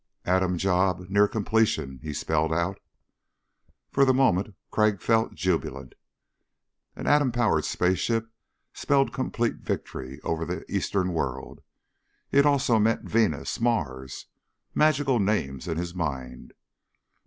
"Atom job near completion," he spelled out. For the moment Crag felt jubilant. An atom powered space ship spelled complete victory over the Eastern World. It also meant Venus ... Mars ... magical names in his mind.